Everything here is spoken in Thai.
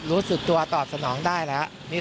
รู้สึกตัวตอบสนองได้แล้ว